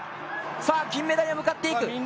さあ、金メダルへ向かっていく。